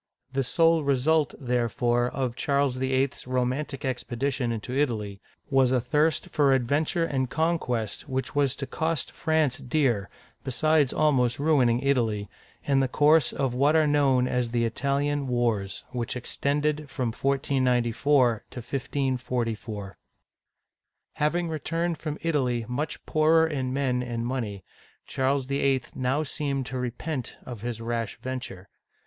The sole result, therefore, of Charles VIII. 's romantic expedition into Italy, was a thirst for adventure and con quest which was to cost France dear, besides almost ruin ing Italy, in the course of what are known as the Italian Wars, which extended from 1494 to 1544. Having returned from Italy much poorer in men and money, Charles VIII. now seemed to repent of his rash venture.